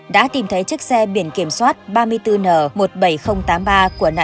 đã tìm thấy chiếc xe biển kiểm soát ba mươi bốn n một trăm bảy mươi hai